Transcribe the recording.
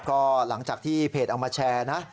ก็หลังจากที่เพจเอามาแชร์นะ